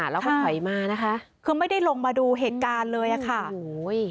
แล้วก็ถอยมานะคะคือไม่ได้ลงมาดูเหตุการณ์เลยอ่ะค่ะโอ้โห